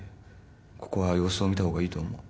ここは様子を見たほうがいいと思う。